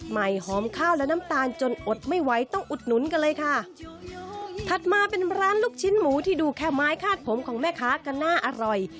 หอมข้าวและน้ำตาลจนอดไม่ไหวต้องอุดหนุนกันเลยค่ะถัดมาเป็นร้านลูกชิ้นหมูที่ดูแค่ไม้คาดผมของแม่ค้าก็น่าอร่อย